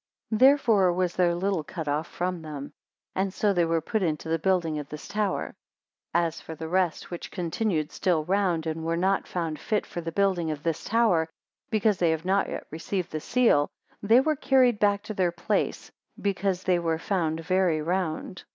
259 Therefore was there little cut off from them, and so they were put into the building of this tower. 260 As for the rest which continued still round, and were not found fit for the building of this tower, because they have not yet received the seal; they were carried back to their place, be. cause they were found very round.